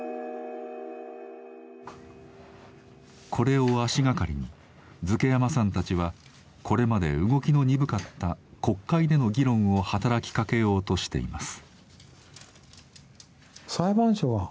これを足掛かりに瑞慶山さんたちはこれまで動きの鈍かった国会での議論を働きかけようとしています。